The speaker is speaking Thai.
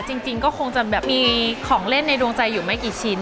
จริงก็คงจะแบบมีของเล่นในดวงใจอยู่ไม่กี่ชิ้น